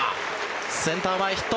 センター前ヒット。